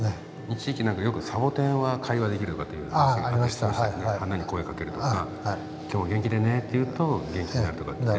一時期サボテンは会話できるとかって話があって花に声をかけるとか「今日も元気でね」って言うと元気になるとか。